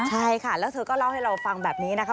ใช่ค่ะแล้วเธอก็เล่าให้เราฟังแบบนี้นะคะ